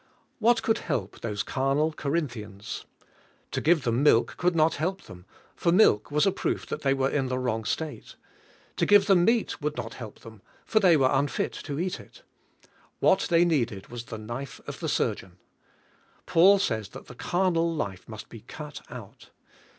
What could help those carnal Corinthians? To give them milk could not help them, for milk was a proof they were in the wrong state. To give them meat would not help them, for they were unfit to eat it. What the}^ needed was the knife of the surgeon. Paul says that the carnal life must be cut out.